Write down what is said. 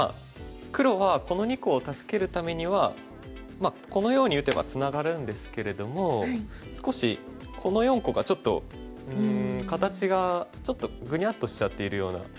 黒はこの２個を助けるためにはこのように打てばツナがるんですけれども少しこの４個がちょっと形がちょっとグニャッとしちゃっているような。